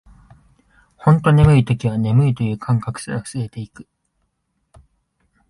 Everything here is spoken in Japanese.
ほんと眠い時は、眠いという感覚すら薄れていく